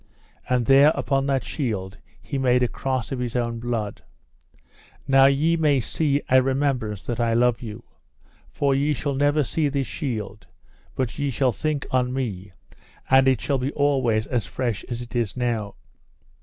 And there upon that shield he made a cross of his own blood. Now may ye see a remembrance that I love you, for ye shall never see this shield but ye shall think on me, and it shall be always as fresh as it is now.